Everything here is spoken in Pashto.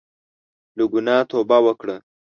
له ګناه توبه وکړه.